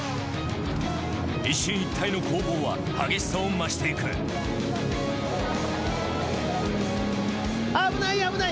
一進一退の攻防は激しさを増していく危ない危ない！